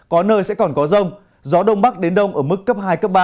có nơi sẽ còn có rông gió đông bắc đến đông ở mức cấp hai cấp ba